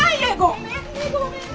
ごめんねごめんね！